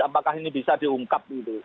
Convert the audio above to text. apakah ini bisa diungkap gitu